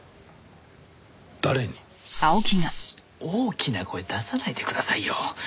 大きな声出さないでくださいよ。